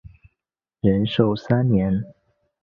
仁寿三年。